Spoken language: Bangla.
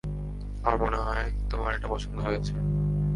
আমার মনে হয় তোমার এটা পছন্দ হয়েছে।